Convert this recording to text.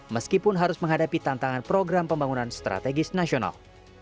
meskipun harus menghadapi tantangan program pembangunan strategis nasional